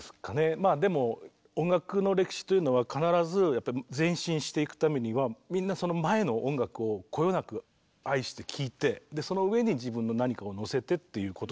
まあでも音楽の歴史というのは必ずやっぱり前進していくためにはみんなその前の音楽をこよなく愛して聴いてその上に自分の何かを乗せてっていうことしかなりえないじゃない。